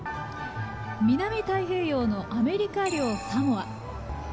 南太平洋のアメリカ領サモア。